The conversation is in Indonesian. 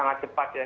sangat cepat ya